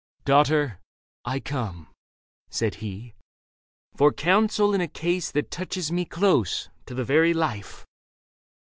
" Daughter, I come," said he, " For counsel in a case that touches me Close, to the very life."